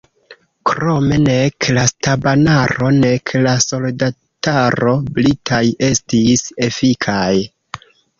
Krome nek la stabanaro nek la soldataro britaj estis efikaj.